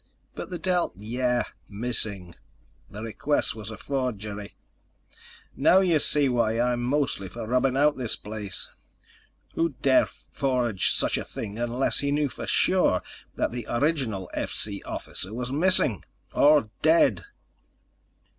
"But the Del—" "Yeah. Missing. The request was a forgery. Now you see why I'm mostly for rubbing out this place. Who'd dare forge such a thing unless he knew for sure that the original FC officer was missing ... or dead?"